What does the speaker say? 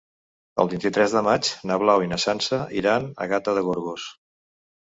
El vint-i-tres de maig na Blau i na Sança iran a Gata de Gorgos.